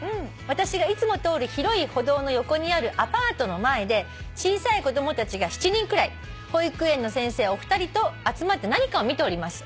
「私がいつも通る広い歩道の横にあるアパートの前で小さい子供たちが７人くらい保育園の先生お二人と集まって何かを見ております」